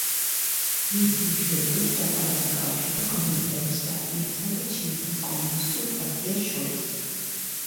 მისი მეშვეობით დამყარდა კავშირი გომინდანის პარტიასა და ჩინეთის კომუნისტურ პარტია შორის.